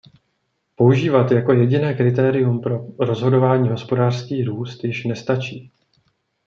Používat jako jediné kritérium pro rozhodování hospodářský růst již nestačí.